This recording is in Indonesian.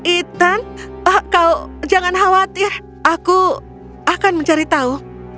ethan jangan khawatir aku akan mencari tahu